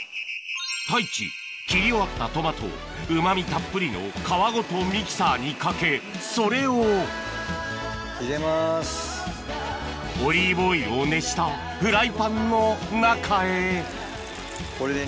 太一切り終わったトマトをうまみたっぷりの皮ごとミキサーにかけそれをオリーブオイルを熱したフライパンの中へ味付けはシンプルがナポリ流